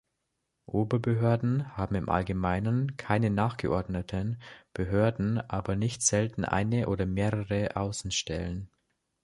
Oberbehörden haben im Allgemeinen keine nachgeordneten Behörden, aber nicht selten eine oder mehrere Außenstellen.